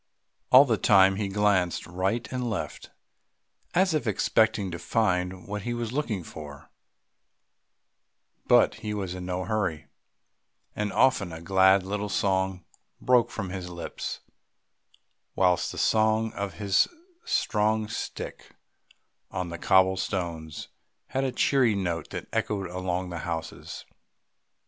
All the time he glanced right and left as if expecting to find what he was looking for; but he was in no hurry, and often a glad little song broke from his lips, whilst the sound of his strong stick on the cobble stones had a cheery note that echoed along the houses.